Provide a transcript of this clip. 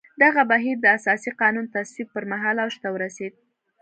دغه بهیر د اساسي قانون تصویب پر مهال اوج ته ورسېد.